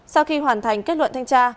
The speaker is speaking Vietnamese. sau khi hoàn thành kết luận thanh tra